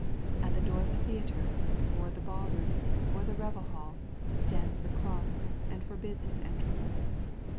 At the door of the theatre, or the ball room, or the revel hall, stands the cross, and forbids his entrance.